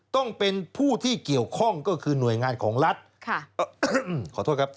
ใช่ต้องเป็นผู้ที่เกี่ยวข้องก็คือหน่วยงานของรัฐ